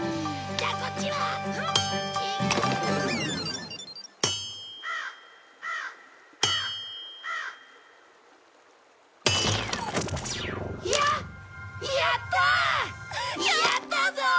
やったぞー！